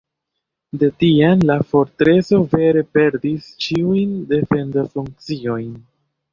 De tiam la fortreso vere perdis ĉiujn defendofunkciojn.